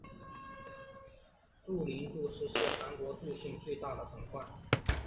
杜陵杜氏是韩国杜姓最大的本贯。